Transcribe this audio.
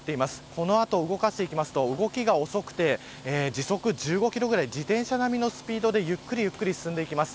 この後動かしていくと動きが遅くて時速１５キロぐらい自転車並みのスピードでゆっくり進んでいきます。